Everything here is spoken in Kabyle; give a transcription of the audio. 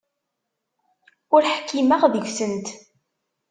Ur ḥkimeɣ deg-sent.